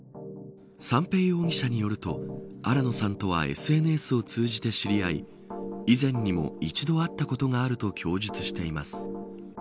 三瓶容疑者によると新野さんとはＳＮＳを通じて知り合い以前にも一度会ったことがあると供述しています。